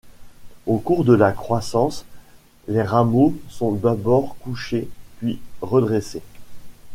Au cours de la croissance, les rameaux sont d'abord couchés puis redressés.